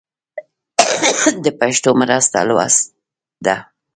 د پښتو مرسته لوست ده.